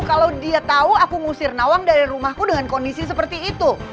kalau dia tahu aku ngusir nawang dari rumahku dengan kondisi seperti itu